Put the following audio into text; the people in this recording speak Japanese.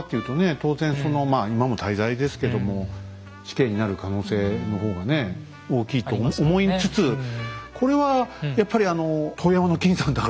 当然まあ今も大罪ですけども死刑になる可能性の方がね大きいと思いつつこれはやっぱりあの遠山の金さんだからですかね？